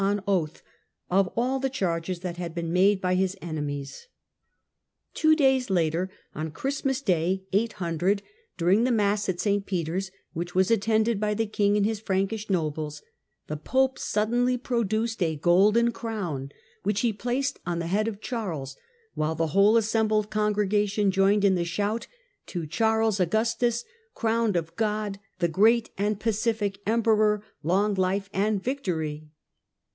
m oath of all the charges that had been made by his memies. 176 THE DAWN OF MEDIEVAL EUROPE Two days later, on Christmas Day, 800, during the mass at St. Peter's, which was attended by the king and his Frankish nobles, the Pope suddenly produced a golden crown which he placed on the head of Charles, while the whole assembled congregation joined in the shout, " To Charles Augustus, crowned of God, the great and pacific Emperor, long life and victory